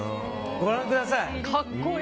ご覧ください。